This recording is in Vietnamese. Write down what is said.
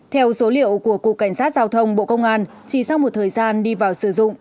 theo số liệu của cục cảnh sát giao thông bộ công an chỉ sau một thời gian đi vào sử dụng